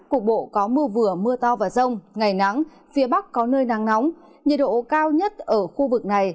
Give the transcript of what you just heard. cục bộ có mưa vừa mưa to và rông ngày nắng phía bắc có nơi nắng nóng nhiệt độ cao nhất ở khu vực này